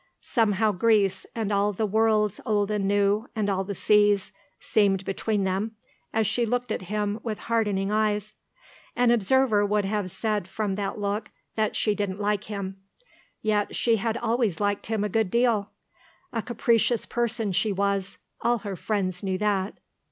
Somehow Greece, and all the worlds old and new, and all the seas, seemed between them as she looked at him with hardening eyes. An observer would have said from that look that she didn't like him; yet she had always liked him a good deal. A capricious person she was; all her friends knew that.